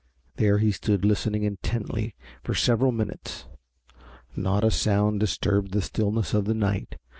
There he stood listening intently for several minutes. Not a sound disturbed the stillness of the night.